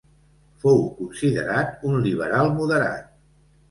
Fou considerat un liberal moderat.